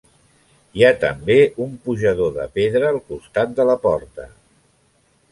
Hi ha també un pujador de pedra al costat de la porta.